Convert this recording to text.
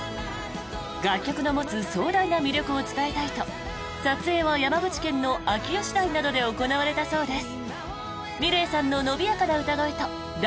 楽曲の持つ壮大な魅力を伝えたいと撮影は山口県の秋吉台などで行われたそうです。